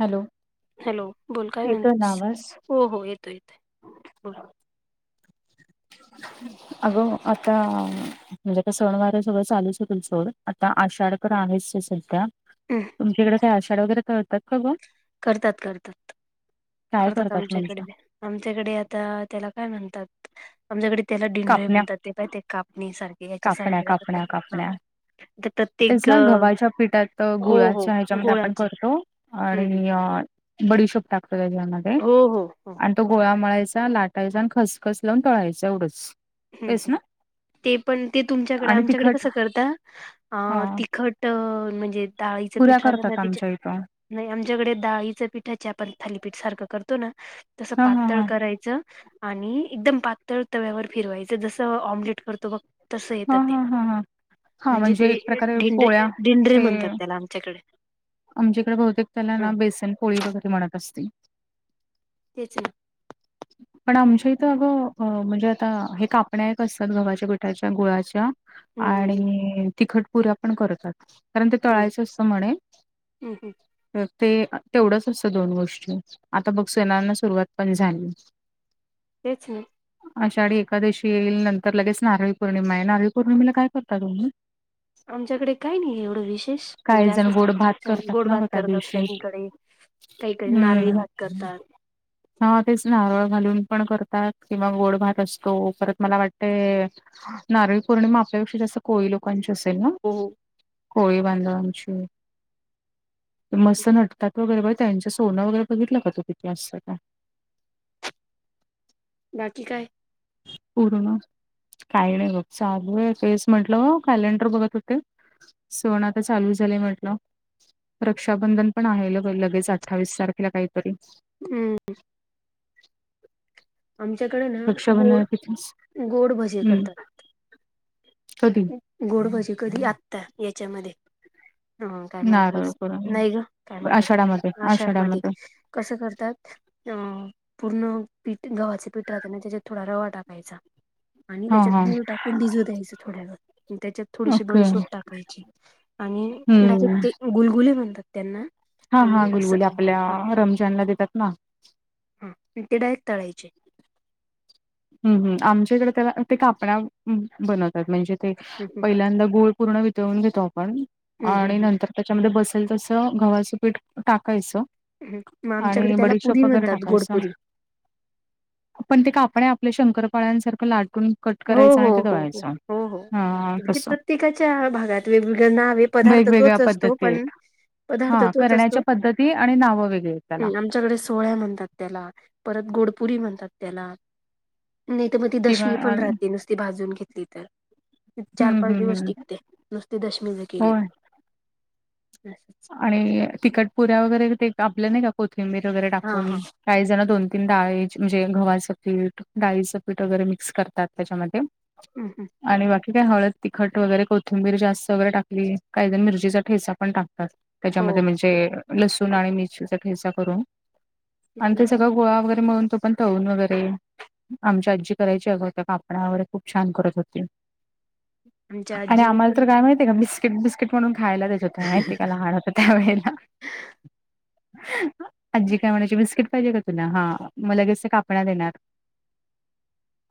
Hello. Hello, बोल काय येतोय ना म्हणतीस. आवाज हो हो, येतोय येतोय. बोल अगं आता, म्हणजे आता सणवार सगळं चालूच होतील सोड, आता आषाढ तर आहेच संध्या. हम्म, तुमच्याकडे काही आषाढ वगैरे करतात का गं. करतात करतात करतात, आमच्याकडे बी. आमच्याकडे आता त्याला काय म्हणतात? आमच्याकडे त्याला डिंडरे कापण्या म्हणतात, ते काय ते कापणी सारखे कापण्या हेच्यासारखे कापण्या हां. कापण्या तर, तेच ना गव्हाच्या पिठात हो गुळाच्या हेच्यामध्ये आपण गोळाचे करतो. हम्म हम्म आणि बडीशोप टाकतो त्याच्यामध्ये हो हो हो आणि, तो गोळा मळायचा लाट टायचा आणि खसखस लावून तळायचं एवढंच. हं तेच हं, ना ते पण तुमच्याकडे, आणि आमच्याकडे तिखट कसं करतात हा आं.. तिखट. तर म्हणजे डाळीचं पुऱ्या पिठ राहत ना करतात त्यांच्या आमच्या इथं नाही आमच्याकडे डाळीचं पीठाचे आपण थालीपीठ सारखं करतो ना. तसं हा हा पातळ हा करायचं आणि एकदम पातळ तव्यावर फिरवायचं जसं ऑमलेट करतो बघ, तसं हा येतं ते हा ह हा हा म्हणजे एक ते प्रकारे पोळ्या ढेंडरे ढेंडरे ते, म्हणतात त्याला आमच्याकडे आमच्याकडे बहुतेक त्याला ना ह बेसन पोळी वगैरे म्हणत असतील. त्याचे, पण आमच्या इथं अगं म्हणजे आता हे कापण्या एक असतात गव्हाच्या गिठाच्या गुळाच्या. हम्म आणि तिखट पुऱ्या पण करतात. कारण ते हम्म तळायचं असंत म्हणे, हम्म हम्म तर ते तेवढंच असतं दोन गोष्टी आता बघ सणांना सुरुवात पण झाली. [unintelligible] तेच ना आषाढी एकादशी येईल नंतर लगेच नारळी पौर्णिमा आहे नारळी पौर्णिमेला काय करता तुम्ही? आमच्याकडे काही नाही एवढं विशेष काही म्हणजे असं जण गोड भात रक्षाबंधन करतात ना गोडभात ग त्या करतात दिवशी काहींकडे. काहीकडे नारळी हम्म भात करतात. हा तेच नारळ घालून पण करतात किंवा गोड भात असतो परत मला वाटते नारळी पौर्णिमा आपल्यापेक्षा जास्त कोळी लोकांची असेल ना. हो कोळी बांधवांची हो. मस्त नटतात वगैरे ब त्यांचे सोनं वगैरे बघितलं का तो किती असतं बाकी काय? पूर्ण काही नाही. बघ चालू आहे तेेस म्हंटलं ग कॅलेंडर बघत होते. सन आता चालू झालंय म्हटलं. रक्षाबंधन पण आहे ल लगेच अठ्ठावीस तारखेला काहीतरी, हम्म आमच्याकडे ना रक्षाबंधन गोड कितीच गोड भजे हम्म करतात कधी गोडभजी कधी आत्ता याच्यामध्ये. हा काय नारळ म्हटलंस पौर्णिमा नाही ग काय आषाढामध्ये म्हटलंता आषाड मध्ये आषाढामध्ये कसं करतात पूर्ण प, गव्हाचे पिठ राहत ना त्याच्यात थोडा रवा टाकायचा. आणि हा त्याच्यात हा गूळ टाकून भिजू द्यायचं थोड्या वेळ त्याच्यात थोडीशी ओके बडीशोप टाकायची. आणि हम्म ते गुलगुले म्हणतात त्यांना, हा हा आणि असं गुलगुली आपल्या हा रमजानला देतात ना, हा ते डायरेक्ट तळायचे. हू हु आमच्याकडे त्याला ते कापडा वर बनवतात म्हणजे ते हम्म पहिल्यांदा गुळ पूर्ण वितवून घेतो आपण हम्म हम्म आणि हम्म नंतर त्याच्यामध्ये बसेल तसं गव्हाचं पीठ टाकायचं. हम्म मग आमच्याकडे आणि त्याला पुरी बडीशोप वगैरे म्हणतात टाकायचं. गोडपुरी पण ते कापण आपल्या शंकरपाळ्यांसारखं लाटून कट हो, करायच आणि हो, ते हो, हो, दळायच. हो, म्हणजे प्रत्येकाच्या भागात वेगवेगळ नावे पदार्थ तोच असतो पण, पदार्थ हा तोच असतो. करण्याच्या पद्धती आणि नावं वेगळील आमच्याकडे सोहळ्या म्हणतात त्याला परत गोडपुरी म्हणतात त्याला. नाही तर मग ती किंवा दशमी पण आणि राहते नुसती भाजून घेतली तर चार हं, पाच हं, दिवस हं. टिकते नुसती दशमी ज हो केली तर अस आणि तिकट पुऱ्या वगैरे ते आपल्या नाही का कोथिंबीर वगैरे हां, टाकून, हां. काही जण दोन तीन डाळे म्हणजे घव्हाच पी डाळीचं पीठ वगैरे मिक्स करतात त्याच्यामध्ये, हम हं आणि बाकी काय हळद तिखट वगैरे कोथिंबीर जास्त वगैरे टाकली काही जण मिरचीचा ठेसा पण टाकला हो त्याच्यामध्ये म्हणजे लसूण आणि मिरची ठेसा करून तेच आणि ना. त्या [unintelligible] ग गोळा वगैरे मगून तो पण तळून वगैरे [unintelligible] आमच्या आजी करायची अग होत्या कापणावर खूप छान करत होती [unintelligible] आमच्या आणि आजीने आम्हाला पण तर काय माहितीय का बिस्किट बिस्किट म्हणून खायला देत होते [unintelligible] काला हाड होत त्या वेळेला आजी काय म्हणायची बिस्किट [unintelligible] पाहिजे का तुला हा म लगेच कापणा देणार [unintelligible]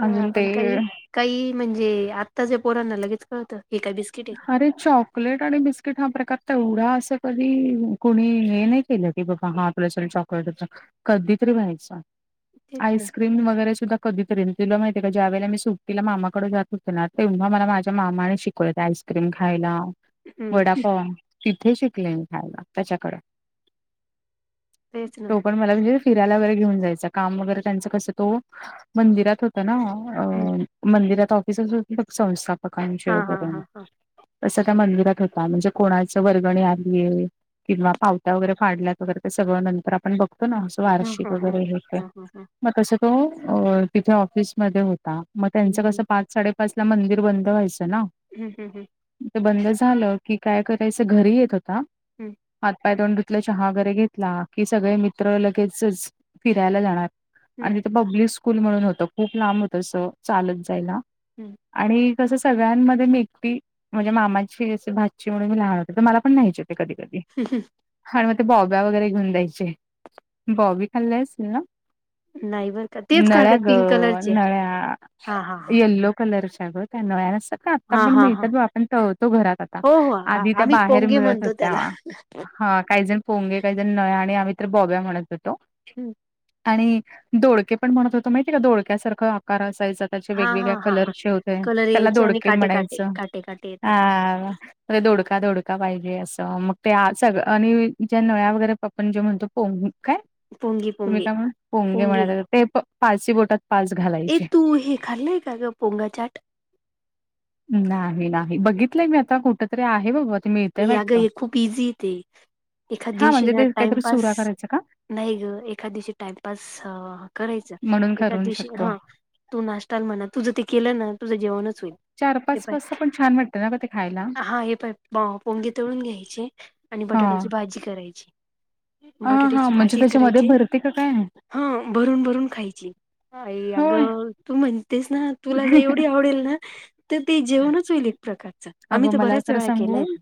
तेव्हा अजून ते आपण काही काही म्हणजे आत्ता ज पोरांना लगेच कळतं हे काय बिस्किट आहे का. [unintelligible] अरे चॉकलेट आणि बिस्किट हा प्रकार तेवढा अस कधी कोणी हे नाही [unintelligible] केलं की बघा हा आपल्या चॉकलेट कधी तरी व्हायचा [unintelligible] तेच ना. आईस्क्रीम वगैरे सुद्धा [unintelligible] कधीतरी तुला माहितीय का ज्या वेळे मी सुट्टीला मामाकडे जात होते ना तेव्हा मला माझ्या मामाने शिकवत [unintelligible] आईस्क्रीम खायला हं, वडापाव [unintelligible] तिथे शिकले मी खयला त्याच्याकडे. तेच ना. [unintelligible] पण मला म्हणजे फिरायला वगैरे घेऊन जायचं काम वगैरे त्यांच कसं तो मंदिरात होत ना. हम्म. [unintelligible] अ मंदिरात ऑफिस संस्थापकांचे हा हा हा वगैरे. [unintelligible] हा तं त्या मंदिरात होता म्हणजे कोणाचं वर्गणी आलीय [unintelligible] किंवा पावत्या वगैरे फडल्यात वगैरे ते सगळं नंतर आपण बघतो ना. [unintelligible] हा हा वार्षिक हा हा वगैरे होते हा हा. मग तसं तो तिथे ऑफिसमध्ये होता. [unintelligible] मग त्यांचं हम्म, हम्म, कसं पाच साडेपाच ला मंदिर बंद व्हायचं ना. [unintelligible] हं् हं हं. [unintelligible] बंद झालं की काय करायचं घरी येत होता हम्म, हम्म, हात पाय दोंड [unintelligible] धुतलं चहा वगैरे घेतला की सगळे मित्र लगेचच फिरायला जाणार हम्म, आणि तो [unintelligible] पब्लिक स्कूल म्हणून होतं खूप लांब होतंस चालत जायला. [unintelligible] हम्. [unintelligible] आणि कसं सगळ्यांमध्ये मी ए [unintelligible] ती म्हणजे मामाची भाातची म्हणून मी लहान होते तर मला पण न्ह्यायचे होते कधी कधी, [unintelligible] ह हं. [unintelligible] आणि मग ते बॉब्या वगैरे घेऊन दयायचे बॉबी खाल्ले असतील ना. [unintelligible] नाही बर का तेच का नळ्या ग पिंक कलरचे नळ्या हा हा हा येल्लो [unintelligible] कलरच्या ग त्यां नळ्या नास्ताका. [unintelligible] हा पण हा मिळतात हा बा आपण तळतो घरात आता हो हो आ- आधी त्या आम्ही बाहेर पोंगे मिळत म्हणतो होत्या त्याला ह काही जण फोंगे काही जण नळ्या आणि आम्ही तर् बॉब्या म्हणत होतो. [unintelligible] हम्म. आणि दोडके पण म्हणत होतो माहिती आहे का दोडक्यासारखं आकार असायचा. [unintelligible] त्याचे हा हा वेगवेगळ्या हा हा कलरचे होते कलर त्याला यायचे आणि दोडके काटे काटे म्हणायचं काटे काटे येतात त्याला. हा. [unintelligible] दोडका दोडका पाहिजे असं मग ते सगळं आणि ज्या नळ्या वगैरे आपण जे म्हणतो. पोग काय. [unintelligible] पोंगे तुम्ही पोंगे काय म्हणा पोंगे म्हणा ते पाची बोटात पाच ए घालायचे. तू हे खाल्लंय का ग पोंगा चाट. [unintelligible] नाही नाही बघितलंय मी आता कुठ तरी आहे बाबा [unintelligible] हे वाटतं. अगं खूप इझी य ते एखाद्या हां दिवशी म्हणजे ना ते काहीतरी टाइमपास चुरा [unintelligible] करायचा का? नाही ग एखा दिवशी टाइमपास करायचं म्हणून एखा करून दिवशी शकतो. हा [unintelligible] तू नाश्ताल म्हणा तुझं ते केलं ना तुझं जेवणच होईल. [unintelligible] चार हे पाच पाय वाजता पण छान वाटत ना ग ते खायला. हा हे पाय [unintelligible] पोंगे तळून घ्यायचे आणि बटाट्याची भाजी करायची. [unintelligible] ह हा बटाट्याची म्हणजे भाजी त्याच्यामध्ये करायची भरती का काय. [unintelligible] हा भरून भरून खायची. [unintelligible] होय. अगं तू म्हणतेस ना तुला एवढी आवडेल ना. [unintelligible] तर ते जेवणच होईल एक प्रकारचं. [unintelligible] अगं मला बऱ्याच खरं वेळा सांगू केलंय ते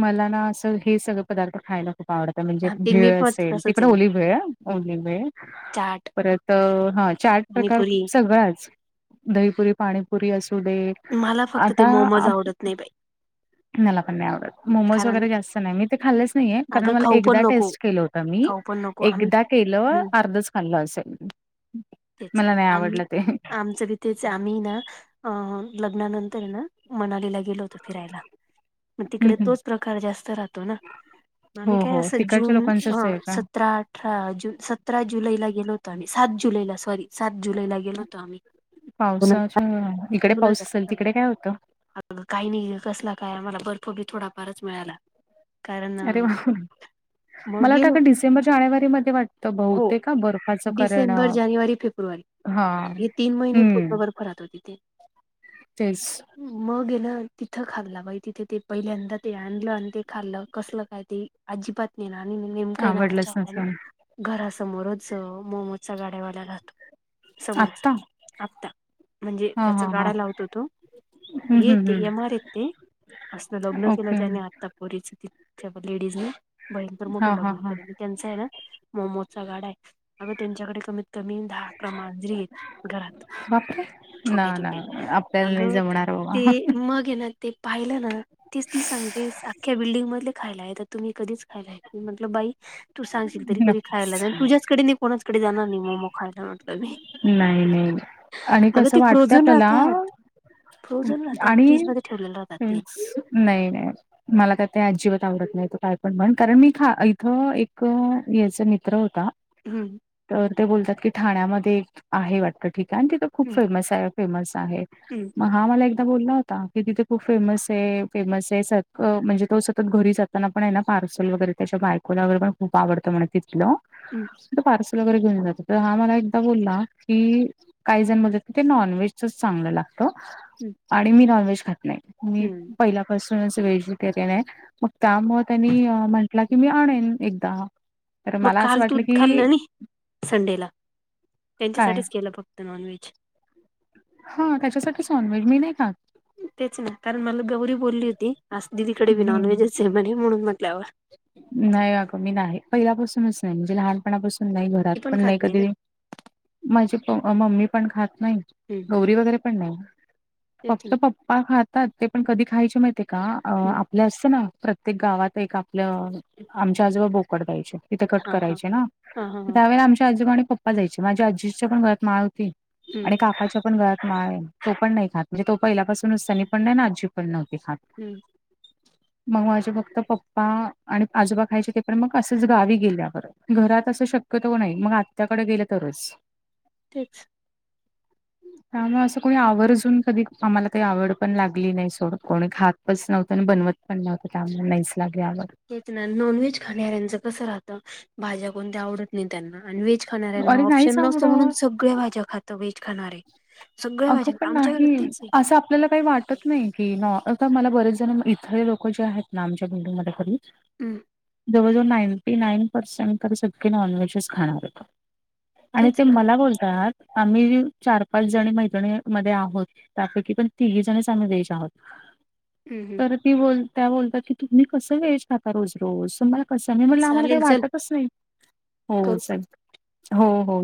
मला ना असं हे सगळें पदार्थ खायला खूप आवडतं. [unintelligible] म्हणजे हा, ते मी भेळ पण असेल ति तसच पण आहे मग. ओली भेळ हं. ओली भेळ. चाट परत हा चाट प्रकार पाणीपुरी सगळांच. दहीपुरी पाणीपुरी असू दे! मला फक्त ते आता मोमज आप आवडत नाही बाई. मला पण नाही आवडत मोमोज कारण वगैरे जास्त नाही मी ते खाल्लंच नाहीे कारण अगं मला खाऊ पण एकदा नको टेस्ट केलं होतं मी खाऊ पण नको आम्ही एकदा केलं हम्म अर्धच खाल्लं असेल तेच मला नाही आम्ही आवडलं ते. आमचं बी तेच आम्ही ना अ लग्नानंतर ना मनालीला गेलो होतो फिरायला. मग तिकडे हं. तोच प्रकार जास्त राहतो ना हो आणि काय हो असं तिकडच्या जून लोकांचच आहे का सतरा आठ अठरा जु सतरा जुलैला गलोतो आम्ही सात जुलैला सॉरी सात जुलैला गेलो होतो आम्ही. दोन हजार पावसाच्या इकडे पाऊस असेल तिकडे काय होतं. अ काही नाही कसला काय आम्हाला बर्फ बी थोडाफारच मिळाला. कारण अ, अरे वा! मग मला वाटत गेलो का डिसेंबर जानेवारी मध्ये वाटत हो बहुतेक आ बर्फाचं कारण डिसेंबर जानेवारी फेब्रुवारी हा हे तीन महिने हम्म पूर्ण बर्फ राहतो तिथे. तेच मग गेलं तिथं खाल्ला बाई तिथे ते पहिल्यांदा ते, आणलं आणि ते खाल्लं कसलं काय ते, अजिबात नी ना आणि मी नेमक हायना आमच्या आवडलंच आत्यानं. नसेल घरासमोरच मोमोजच्या गाड्यावाल्या राह समोर आत्ता आता म्हणजे हा त्याचा हा हा गाडा लावतो तो. हम्म हे हम्म ते एम हम्म आर येत ते असलं लग्न केलं ओके त्याने आ पोरीच तिच्या लेडीज नी भयंकर मोठं हा हा लग्न हा केलं बाई. त्यांचा आहे ना मोमोचा गाडा आहे अग त्यांच्याकडे कमीत कमी. दहा अकरा मांजरीेत घरात. बापरे ना छोट्या ना छोट्या आपल्याला अग नाही जमणार ते बाबा मग ये ते पाहिलं ना तेच ती सांगतेस अख्या बिल्डिंग मध्ये खायला तुम्ही कधीच खाय म्हटल बाई तू सांगशील तरी क नकोच खायला तुयाचकडे कोणाचकडे जाणार नाही मोमो खायला म्हटलं मी. नाही नाही आणि अगं कसं ते वाटतं फ्रोझन आपल्याला. राहतात फ्रोझन राहतात आणि फ्रीज मध्ये ठेवलेले राहतात ते नाही नाही. मला का ते अजिबात आवडत नाही तू काय पण म्हण कारण मी खा इथं एक याचा मित्र होता. हम्म तर ते बोलतात की ठाण्यामध्ये आहे वाटतं ठिकाण आहे आणि तिथं खूप हम्म फेमस आहे फेमस आहे. हम्म! मग हा मला एकदा बोलला होता. की तिथे खूप फेमस आहे, फेमस आहे, स म्हणजे तो सतत घरी जात‌ ताना पण पार्सल वगैरे त्याच्या बायकोला वगैरे पण खूप आवडत म्हण. हम्म पार्सल वगैरे घेऊन जातो तर हा मला एकदा बोला. की काही जण म्हत क ते नॉनव्हेजचच चांगलं लागत. हम्म आणि मी नॉन व्हेज खात नाही हम्म पहि पासूनच व्हेजिटेरियन आहे मग त्यामुळे त्यांनी म्हंटलं की मी आणेन एकदा. तर मग मला असं काल तू वाटलं की, खाल्लं नाही संडेला काय त्यांच्यासाठीच केलं फक्त नॉन व्हेज. हा त्याच्यासाठी नॉन व्हेज मी नाही खात. तेच नाही कारण मला गौरी बोलली होती, आज दिदी कडे बी नॉन हं, व्हेजचे म्हणे म्हणून म्हटल नाही अग मी नाही, पहिल्यापासूनच नाही, म्हणजे लहानपणापासून नाही, घरात ती पण खात नाही ना कधी. माझी प मम्मी पण खात नाही. हम्म! पोरी वगैरे पण नही तेच ना फक्त पप्पा खातात. तेपण कधी खायचे माहिती का? का हम्म, आपलं असतं ना प्रत्येक गावात एक आपल्या आमच्या आजोबा बोकड द्याचे. तिथे कट हा हा करायचे ना हा हा हा त्यावेळे आमच्या आजोबा आणि पप्पा जायचे माझ्या आजीच्या पण गळ्यात माळ होती. हम्म आणि काकाच्या पण गळ्यात माळ आहे तो पण नाही खात म्हणजे तो पहिल्यापासूनच त्यानी पण नाही आनी अजी पण नव्हती खात. हम्म! मग माझे फक्त पप् ्पा आणि आजोबा खायचे ते पण मग असेच गावी गेल्या परत. घरात असं शक्यतो नाही मग आत्याकडे गेलं तरच. तेच त्यामुळे असं कोणी आवर्जून कधी आम्हाला काही आवड पण लागली नाही सोड कोणी खात. तच नव्हतं आणि बनवत पण नव्हतं त्यामुळे नाहीच लागली आवड. तेच ना नॉन व्हेज खाणाऱ्यांच कस राहतं भाज्या कोणत्या आवडत नाही त्यांना आणि व्हेज खाणाऱ्यांना अरे नाहीच ऑप्शन नसतो म्हणून आवडत सगळ्या भाज्या खातं वेहेज खाणारे. सगळ्या अगं भाज्या पण आमच्या नाही घरात तेच आहे असं आपल्याला काही वाट टत नाही की न मला बरेच जण इथर लोक जे आहेत ना आमच्या बिल्डिंगमध्ये खरी. हं जवळजवळ नाईंटी नाईन पर्सेंट तर सग नॉनव्हेजच खाणार आहे का? आणि तेच ते ना मला बोलतात आम्ही चार पाच जणी माहि मध्ये आहो त्यापैकी पण तीही जणच आम्ही देश आहोत हम्म हम्म तर ती बोल त्या बोलतात की तुम्ही कसं व्हेज खाता रोज रोज मला कसं मी म्हणलं आम्हाला काही चालेल चल वाटतच नाही हो करू परत सग हो हो.